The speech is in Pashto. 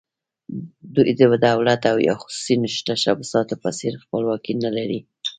دوی د دولت او یا خصوصي تشبثاتو په څېر خپلواکي نه لري.